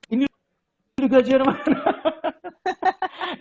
ini liga jerman